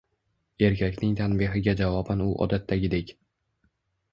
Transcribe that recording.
Erkakning tanbehiga javoban u odatdagidek